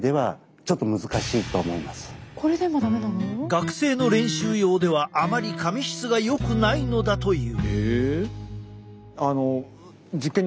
学生の練習用ではあまり髪質がよくないのだという。